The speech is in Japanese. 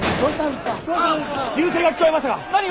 銃声が聞こえましたが！？